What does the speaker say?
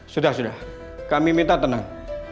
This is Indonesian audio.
sudah sudah kami minta tenang